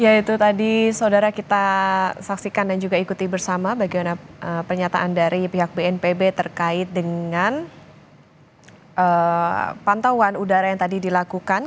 ya itu tadi saudara kita saksikan dan juga ikuti bersama bagaimana pernyataan dari pihak bnpb terkait dengan pantauan udara yang tadi dilakukan